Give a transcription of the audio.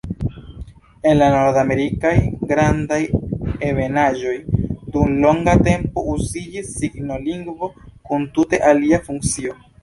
En la Nordamerikaj Grandaj Ebenaĵoj dum longa tempo uziĝis signolingvo kun tute alia funkcio.